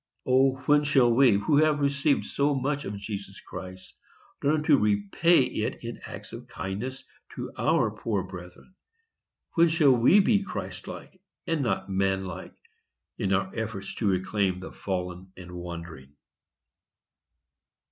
O, when shall we, who have received so much of Jesus Christ, learn to repay it in acts of kindness to our poor brethren? When shall we be Christ like, and not man like, in our efforts to reclaim the fallen and wandering?